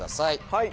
はい。